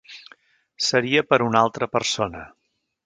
Seria per una altra persona.